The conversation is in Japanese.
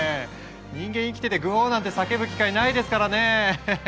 人間生きててグォーなんて叫ぶ機会ないですからね。